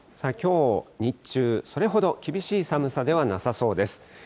きょう日中、それほど厳しい寒さではなさそうです。